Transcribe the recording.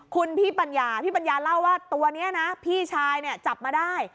คุณพี่ปัญญาพี่ปัญญาเล่าว่าตัวนี้นะพี่ชายเนี่ยจับมาได้